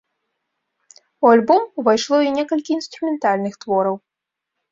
У альбом увайшло і некалькі інструментальных твораў.